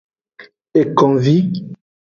Ekonvi.